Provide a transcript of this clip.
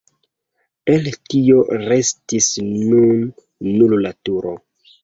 El tio restis nun nur la turo.